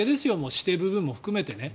私邸部分も含めてね。